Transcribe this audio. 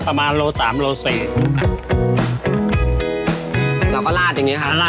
ประมาณโลสามโลสี่เราก็ลาดอย่างนี้นะคะล่ะถูกไหมลาก